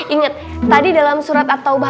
ingat tadi dalam surat at taubah